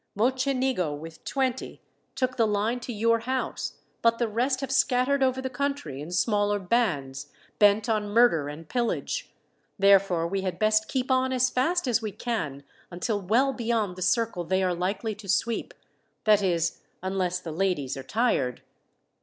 Mocenigo, with twenty, took the line to your house, but the rest have scattered over the country in smaller bands, bent on murder and pillage. Therefore, we had best keep on as fast as we can, until well beyond the circle they are likely to sweep that is, unless the ladies are tired."